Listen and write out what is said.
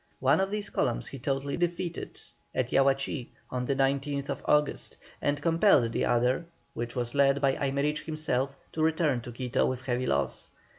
One of these columns he totally defeated at Yahuachí on the 19th August, and compelled the other, which was led by Aymerich himself, to return to Quito with heavy loss.